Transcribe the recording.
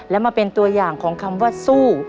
และมาเป็นตัวอย่างของคำว่าสู้